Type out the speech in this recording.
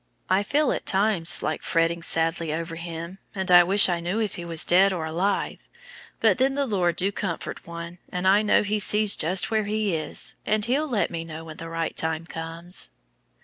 I feel at times like fretting sadly over him, and wish I knew if he was alive or dead, but then the Lord do comfort one, and I know He sees just where he is, and He'll let me know when the right time comes."